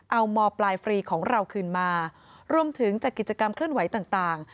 เอามปลายฟรีของเราคืนมารวมถึงจัดกิจกรรมเคลื่อนไหวต่าง